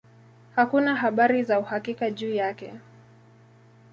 Hakuna habari za uhakika juu yake.